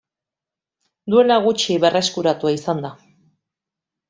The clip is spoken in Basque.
Duela gutxi berreskuratua izan da.